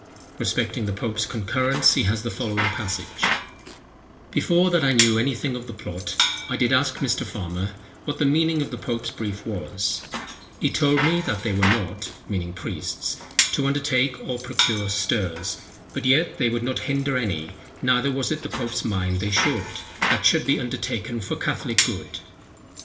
Respecting the pope's concurrence he has the following passage: "Before that I knew any thing of the plot, I did ask Mr. Farmer, what the meaning of the pope's brief was: he told me that they were not (meaning priests) to undertake or procure stirs; but yet they would not hinder any, neither was it the pope's mind they should, that should be undertaken for Catholic good.